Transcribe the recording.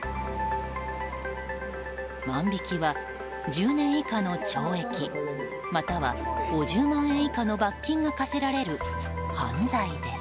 万引きは１０年以下の懲役または５０万円以下の罰金が科せられる犯罪です。